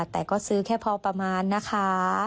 แต่ก็ซื้อแค่พอประมาณนะคะ